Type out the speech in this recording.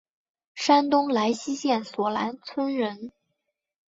山东莱西县索兰村人。